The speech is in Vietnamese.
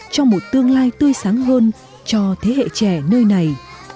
cho một tương lai tươi sáng hơn cho thế hệ trẻ nơi này